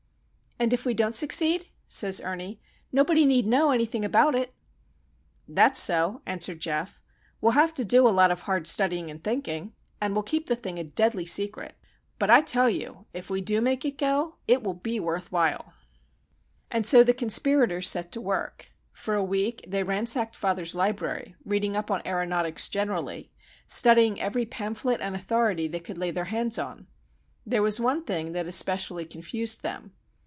"And if we don't succeed," says Ernie, "nobody need know anything about it." "That's so," answered Geof. "We'll have to do a lot of hard studying and thinking, and we'll keep the thing a deadly secret;—but I tell you, if we do make it go, it will be worth while!" And so the conspirators set to work. For a week they ransacked father's library, reading up on aëronautics generally, studying every pamphlet and authority they could lay their hands on. There was one thing that especially confused them.